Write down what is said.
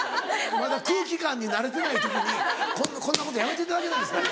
まだ空気感に慣れてない時にこんなことやめていただけないですかね。